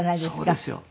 そうですよ。